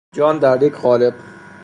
جان دریک قالب